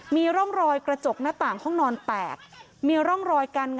ไม่ใช่ไม่ใช่ไม่ใช่